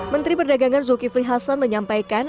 menteri perdagangan zulkifli hasan menyampaikan